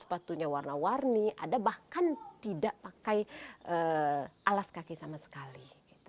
sepatunya warna warni ada bahkan tidak pakai alas kaki sama sekali